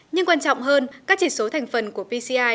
nhưng quan trọng hơn các chỉ số thành phần của pci